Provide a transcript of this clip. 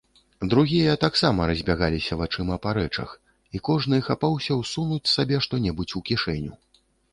Другія таксама разбягаліся вачыма па рэчах, і кожны хапаўся ўсунуць сабе што-небудзь у кішэню.